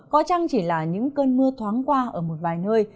có chăng chỉ là những cơn mưa thoáng qua ở một vài nơi